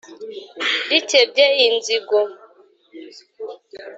rikebye inzigo